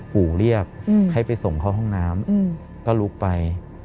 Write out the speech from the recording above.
ปู่เรียกให้ไปส่งเข้าห้องน้ำก็ลุกไป